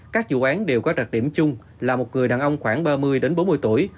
các dự án đều có đặc điểm chung là một người đàn ông khoảng ba mươi bốn mươi tuổi